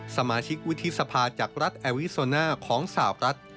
สมาชิกวุฒิสภาจากรัฐแอริโซน่าของสาวรัฐ